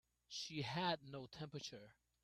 She had no temperature.